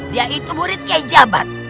dia itu murid kejabat